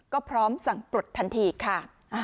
ก็พร้อมสั่งปลดทันทีค่ะ